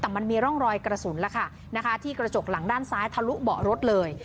แต่มันมีร่องรอยกระสุนแล้วค่ะนะคะที่กระจกหลังด้านซ้ายทะลุเบาะรถเลย